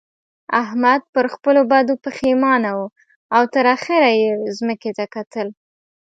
احمد پر خپلو بدو پېښمانه وو او تر اخېره يې ځمکې ته کتل.